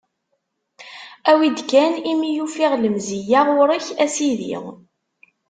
Awi-d kan imi i ufiɣ lemzeyya ɣur-k, a sidi.